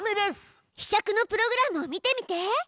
ひしゃくのプログラムを見てみて。